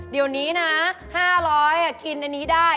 เดี๋ยวนี้นะ๕๐๐กินอันนี้ได้